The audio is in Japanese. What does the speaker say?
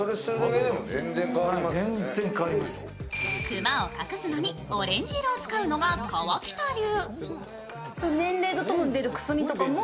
クマを隠すのにオレンジ色を使うのが河北流。